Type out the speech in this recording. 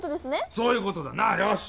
そういうことだなよし！